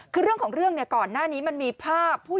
คือเรื่องของเรื่องก่อนหน้านี้มันมีภาพ